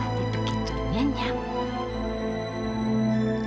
nanti begitu dia nyamuk